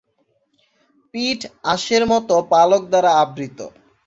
পিঠ আঁশের মত পালক দ্বারা আবৃত।